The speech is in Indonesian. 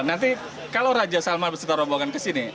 nanti kalau raja salman beserta rombongan ke sini